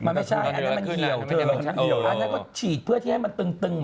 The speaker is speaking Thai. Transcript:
ไม่ไม่ใช่อันนั้นมันเหี่ยวกันนะอ่ะอันนั้นก็ฉีดเพื่อที่ให้มันตึง